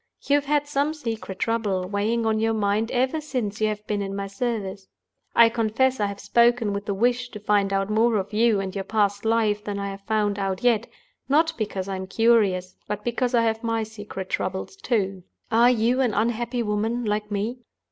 You have had some secret trouble weighing on your mind ever since you have been in my service. I confess I have spoken with the wish to find out more of you and your past life than I have found out yet—not because I am curious, but because I have my secret troubles too. Are you an unhappy woman, like me?